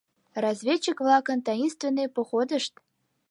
Разведчик-влакын «таинственный походышт»?..